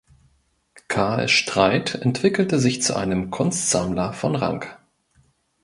Karl Streit entwickelte sich zu einem Kunstsammler von Rang.